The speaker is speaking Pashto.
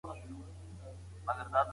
آیا د دولت د انحطاط دورې حتمي مرحلې سته؟